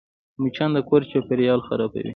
مچان د کور چاپېریال خرابوي